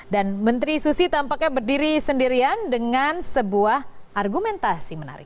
dan menteri susi tampaknya berdiri sendirian dengan sebuah argumentasi menarik